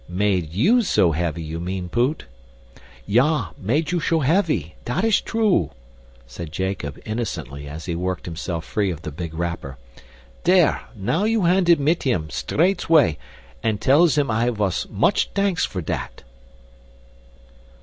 "Made YOU so heavy, you mean, Poot?" "Ya, made you sho heavy dat ish true," said Jacob innocently as he worked himself free of the big wrapper. "Dere, now you hands it mit him, straits way, and tells him I vos much tanks for dat."